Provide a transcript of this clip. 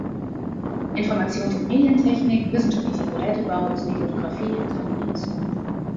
Informations- und Medientechnik, wissenschaftlicher Gerätebau sowie Fotografie kamen hinzu.